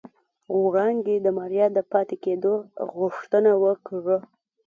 وړانګې د ماريا د پاتې کېدو غوښتنه وکړه.